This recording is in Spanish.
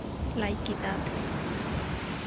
La Equidad.